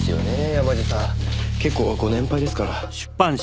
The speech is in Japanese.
山路さん結構ご年配ですから。